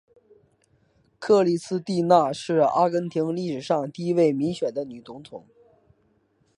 克里斯蒂娜是阿根廷历史上第一位民选的女总统。